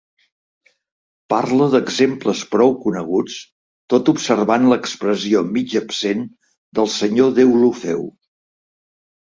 Parla d'exemples prou coneguts, tot observant l'expressió mig absent del senyor Deulofeu.